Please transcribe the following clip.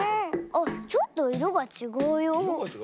あっちょっといろがちがうよほら。